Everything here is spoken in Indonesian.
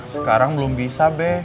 sekarang belum bisa be